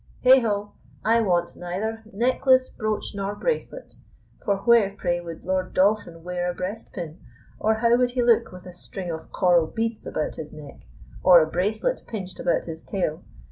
Heigho! I want neither necklace, brooch, nor bracelet. For where, pray, would Lord Dolphin wear a breastpin, or how would he look with a string of coral beads about his neck, or a bracelet pinched about his tail?